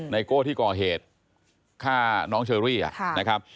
ในโก้ที่ก่อเหตุฆ่าน้องเชอรี่